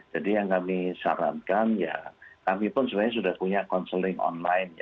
jadi yang kami sarankan ya kami pun sebenarnya sudah punya counseling online